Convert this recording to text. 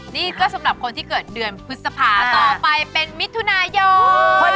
นี่ก็สำหรับคนที่เกิดเดือนพฤษภาต่อไปเป็นมิถุนายน